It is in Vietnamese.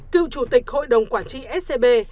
cựu chủ tịch hội đồng quản trị scb